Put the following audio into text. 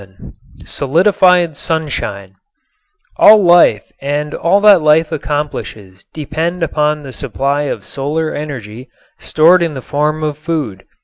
XI SOLIDIFIED SUNSHINE All life and all that life accomplishes depend upon the supply of solar energy stored in the form of food.